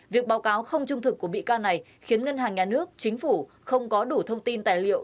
việc báo cáo không trung thực của bị can này khiến ngân hàng nhà nước chính phủ không có đủ thông tin tài liệu